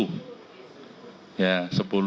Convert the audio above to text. hmm tidak yang positif sepuluh